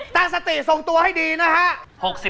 ตั้งสติทรงตัวให้ดีนะฮะ